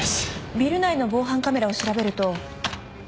ビル内の防犯カメラを調べると。